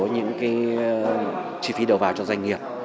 những cái chi phí đầu vào cho doanh nghiệp